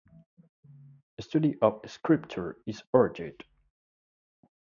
Study of scripture is urged.